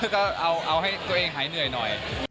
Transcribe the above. ก็เอาให้ตัวเองหายเหนื่อยหน่อย